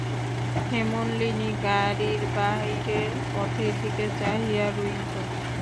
হেমনলিনী গাড়ির বাহিরে পথের দিকে চাহিয়া রহিল।